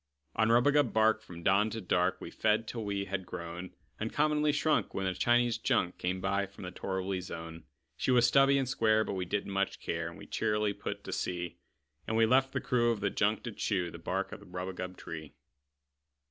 On rubagub bark, from dawn to dark, We fed, till we all had grown Uncommonly shrunk, when a Chinese junk Came by from the torriby zone. She was stubby and square, but we didn't much care, And we cheerily put to sea; And we left the crew of the junk to chew The bark of the rubagub tree.